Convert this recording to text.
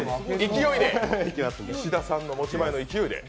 石田さんの持ち前の勢いで。